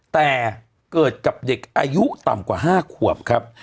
แต่เกิดกับเด็กอายุต่ำกว่า๕ขวบครับ